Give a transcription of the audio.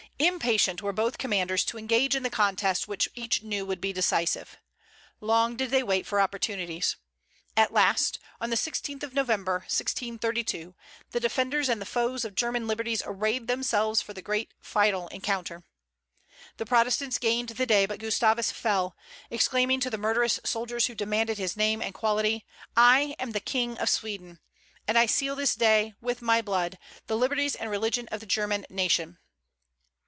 Impatient were both commanders to engage in the contest which each knew would be decisive. Long did they wait for opportunities. At last, on the 16th of November, 1632, the defenders and the foes of German liberties arrayed themselves for the great final encounter. The Protestants gained the day, but Gustavus fell, exclaiming to the murderous soldiers who demanded his name and quality, "I am the King of Sweden! And I seal this day, with my blood, the liberties and religion of the German nation."